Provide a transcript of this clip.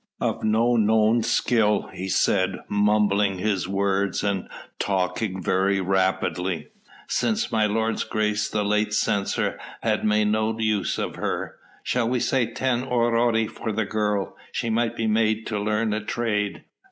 "Of no known skill," he said, mumbling his words and talking very rapidly, "since my lord's grace the late censor had made no use of her. Shall we say ten aurei for the girl? she might be made to learn a trade."